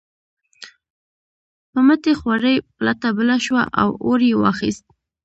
په مټې خوارۍ پلته بله شوه او اور یې واخیست.